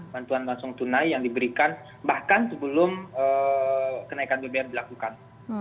bantuan langsung tunai yang diberikan bahkan sebelum kenaikan bbm dilakukan